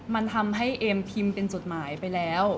มันทำให้เอมพิมพ์เป็นจดหมายไปแล้ว